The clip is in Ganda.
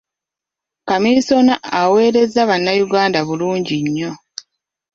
Kamiisona aweerezza bannayuganda bulungi nnyo